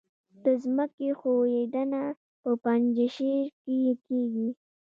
د ځمکې ښویدنه په پنجشیر کې کیږي